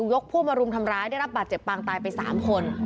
พวกมารุมทำร้ายได้รับบาดเจ็บปางตายไป๓คน